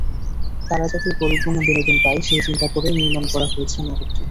তারা যাতে পরিপূর্ণ বিনোদন পায়, সেই চিন্তা করেই নির্মাণ করা হয়েছে নাটকটি।